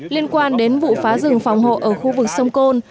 liên quan đến vụ phá rừng phòng hộ ở khu vực sông côn